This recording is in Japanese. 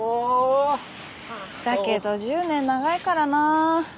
だけど１０年長いからな。